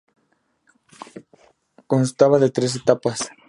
Constaba de tres etapas.